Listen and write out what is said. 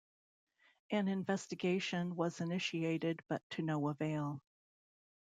An investigation was initiated, but to no avail.